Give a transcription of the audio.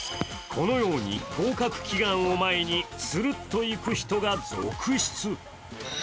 このように合格祈願を前につるっと行く人が続出。